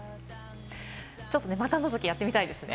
ちょっと股のぞき、やってみたいですよね。